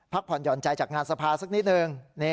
ผ่อนหย่อนใจจากงานสภาสักนิดนึง